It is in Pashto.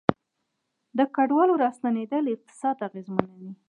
د کډوالو راستنیدل اقتصاد اغیزمنوي